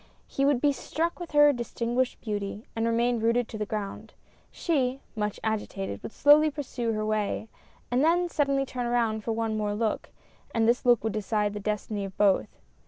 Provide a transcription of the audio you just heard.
He would be struck with her distinguished beauty, and remain rooted to the ground ; she — much agitated — would slowly pursue her way, and then sud denly turn round for one more look, and tliis look would decide the destiny of both